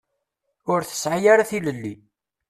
Ur tesɛi ara tilelli.